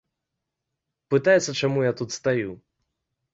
Пытаецца, чаму я тут стаю.